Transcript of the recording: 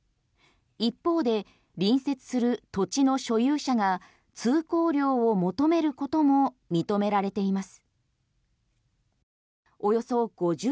一方で隣接する土地の所有者が通行料を求めることも認められています。